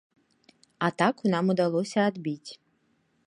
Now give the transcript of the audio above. Атаку нам удалося адбіць.